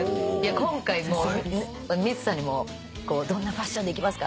今回ミッツさんにどんなファッションでいきますか？